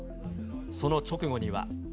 その直後には。